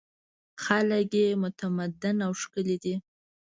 خلک یې متمدن او ښکلي دي.